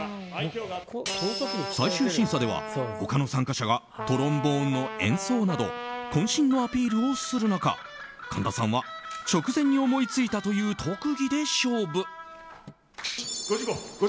最終審査では他の参加者がトロンボーンの演奏など渾身のアピールをする中神田さんは直前に思いついたという特技で勝負！